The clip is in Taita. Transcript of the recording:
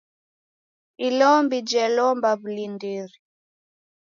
Ilombi jelomba w'ulindiri.